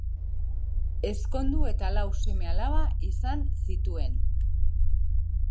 Ezkondu eta lau seme-alaba izan zituen.